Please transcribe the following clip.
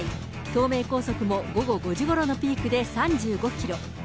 東名高速も午後５時ごろのピークで３５キロ。